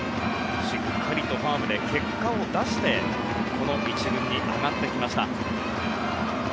しっかりとファームで結果を出してこの１軍に上がってきました。